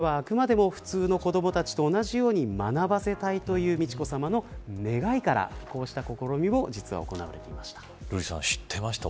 これはあくまでも普通の子どもたちと同じように学ばせたいという美智子さまの願いからこうした試みも実は、行われていました。